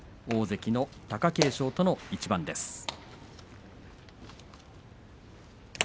大関貴景勝との一番です。